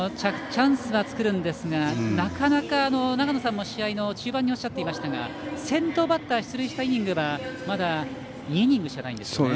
チャンスは作るんですがなかなか長野さんも試合の中盤におっしゃっていましたが先頭バッターが出塁したイニングはまだ２イニングしかないんですね。